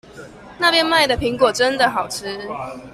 那邊賣的蘋果真的好吃